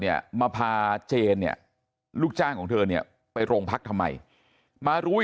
เนี่ยมาพาเจนเนี่ยลูกจ้างของเธอเนี่ยไปโรงพักทำไมมารู้อีก